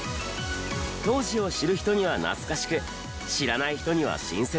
当時を知る人には懐かしく知らない人には新鮮なはず。